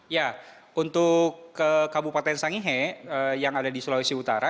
ya untuk kabupaten sangihe yang ada di sulawesi utara